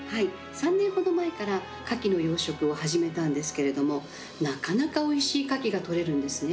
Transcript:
３年ほど前から、かきの養殖を始めたんですけれどもなかなかおいしいかきが取れるんですね。